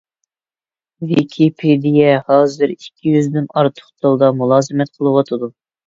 ۋىكىپېدىيە ھازىر ئىككى يۈزدىن ئارتۇق تىلدا مۇلازىمەت قىلىۋاتىدۇ.